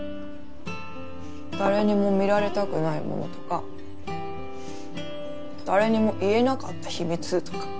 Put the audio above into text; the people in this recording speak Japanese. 誰にも見られたくないものとか誰にも言えなかった秘密とか。